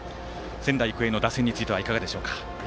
仙台育英の打線についてはいかがでしょうか。